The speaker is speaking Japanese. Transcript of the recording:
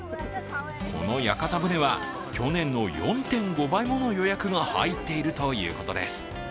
この屋形船は去年の４．５倍もの予約が入っているということです。